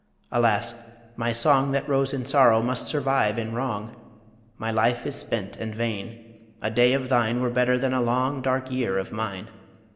Alas! my song That rose in sorrow must survive in wrong My life is spent and vain a day of thine Were better than a long, dark year of mine....